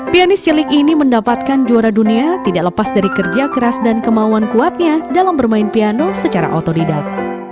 pianis cilik ini mendapatkan juara dunia tidak lepas dari kerja keras dan kemauan kuatnya dalam bermain piano secara otodidak